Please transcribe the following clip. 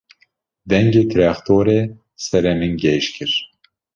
Dengê trextorê serê min gêj kir.